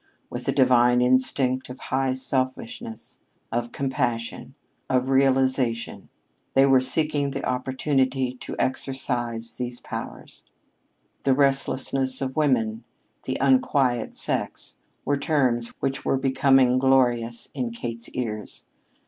With a divine instinct of high selfishness, of compassion, of realization, they were seeking the opportunity to exercise these powers. "The restlessness of women," "the unquiet sex," were terms which were becoming glorious in Kate's ears.